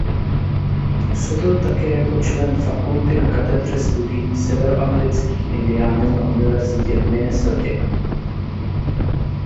Působil také jako člen fakulty na Katedře studií severoamerických indiánů na Univerzitě v Minnesotě.